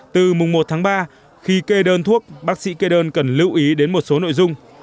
từ mùng một tháng ba khi kê đơn thuốc bác sĩ kê đơn cần lưu ý đến một số nội dung